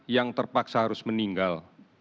yang terpaksa harus meninggal